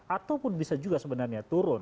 ataupun bisa juga sebenarnya turun